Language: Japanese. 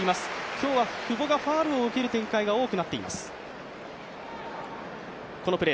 今日は久保がファウルを受ける展開が多くなっています。